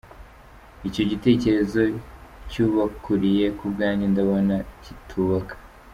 Icyo gitekerezo cy’ubakuriye, ku bwanjye ndabona kitabubaka.